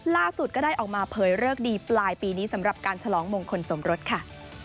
ก็ได้ออกมาเผยเลิกดีปลายปีนี้สำหรับการฉลองมงคลสมรสค่ะ